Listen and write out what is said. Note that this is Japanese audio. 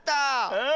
うん。